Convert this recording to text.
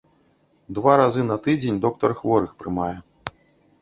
Два разы на тыдзень доктар хворых прымае.